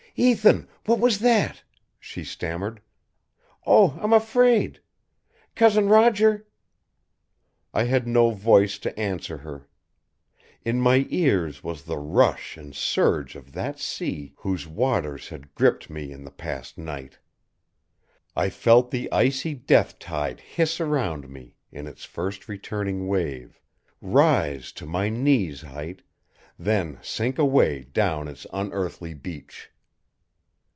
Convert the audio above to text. "Ethan, what was that?" she stammered. "Oh, I'm afraid! Cousin Roger ?" I had no voice to answer her. In my ears was the rush and surge of that sea whose waters had gripped me in the past night. I felt the icy death tide hiss around me in its first returning wave, rise to my knee's height, then sink away down its unearthly beach.